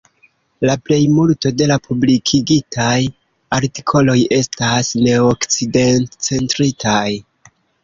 La plejmulto de la publikigitaj artikoloj estas neokcidentcentritaj.